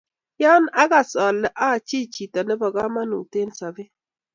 yoon akas ale achi chito nebo kamanut eng' sobet